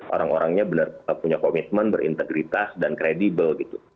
orang orangnya punya komitmen berintegritas dan kredibel gitu